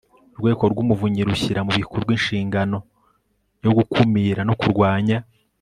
Urwego rw Umuvunyi rushyira mu bikorwa inshingano yo gukumira no kurwanya